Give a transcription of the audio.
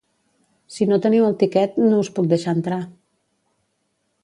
Si no teniu el tiquet, no us puc deixar entrar.